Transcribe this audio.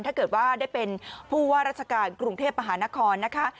ถ้าเกิดว่าได้เป็นผู้ว่าราชการกรุงเทพมหานครนะคะ